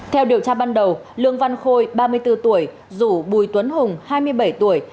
theo điều tra ban đầu lương văn khôi ba mươi bốn tuổi rủ bùi tuấn hùng hai mươi bảy tuổi